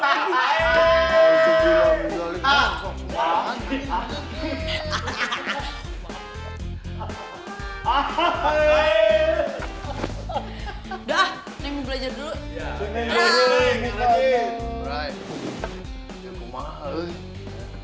udah neng belajar dulu